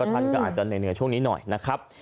ท่านก็อาจจะเหนื่อยช่วงนี้หน่อยนะครับ